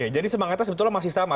jadi semangatnya sebetulnya masih sama